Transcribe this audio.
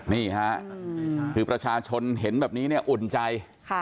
นี่ค่ะคือประชาชนเห็นแบบนี้เนี่ยอุ่นใจ